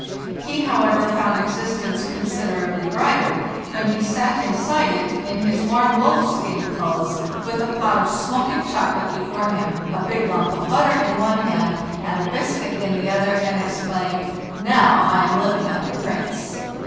He, however, found existence considerably brighter when he sat inside it, in his warm wolfskin clothes, with a pot 136 FARTHEST NORTH of smoking chocolate before him, a big lump of butter in one hand and a biscuit in the other, and exclaimed, "Now I am living like a prince!"